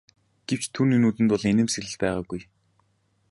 Гэвч түүний нүдэнд бол инээмсэглэл байгаагүй.